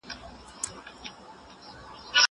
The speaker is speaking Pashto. دا انځور له هغه ښکلی دی!!